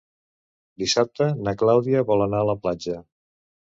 Dissabte na Clàudia vol anar a la platja.